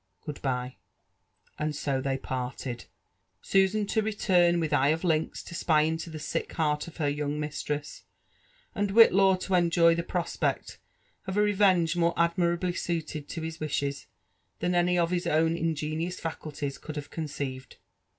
Good b'ye." And BO they parted ;— Susan to return: with eye of lynx to spy into the sick heart of her young mistress; and Whitlaw, to enjoy the pros pect of a revenge more admirably suited to his wishes, than any his own ingenious faculties could have conceived.